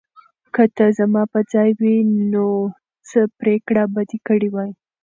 که ته زما په ځای وای، نو څه پرېکړه به دې کړې وه؟